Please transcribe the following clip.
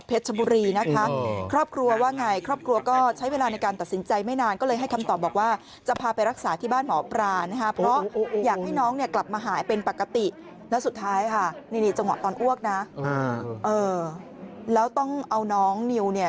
เหมือนเขาต้องการสาระการอะไรสักอย่าง